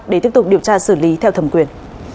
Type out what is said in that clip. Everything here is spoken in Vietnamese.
để tiếp tục điều tra xử lý theo thẩm quyền